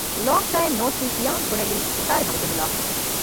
ލޯންގް ޓައިމް ނޯސީ ކިޔާން ބުނެލީ ފިސާރިހަމަޖެހިލާފަ